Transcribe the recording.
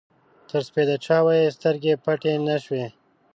تر سپېده چاوده يې سترګې پټې نه شوې.